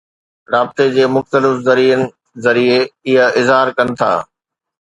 رابطي جي مختلف ذريعن ذريعي، اهي اظهار ڪن ٿا.